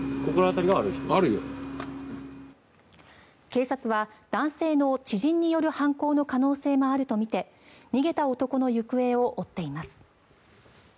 警察は男性の知人による犯行の可能性もあるとみて逃げた男の行方を追っています。